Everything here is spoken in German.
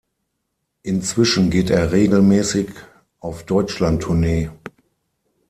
Inzwischen geht er regelmäßig auf Deutschlandtournee.